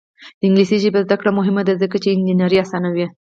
د انګلیسي ژبې زده کړه مهمه ده ځکه چې انجینري اسانوي.